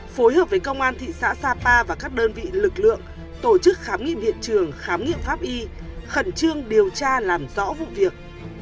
phối hợp với công an thị xã sapa và các đơn vị lực lượng tổ chức khám nghiệm hiện trường khám nghiệm pháp y khẩn trương điều tra làm rõ vụ việc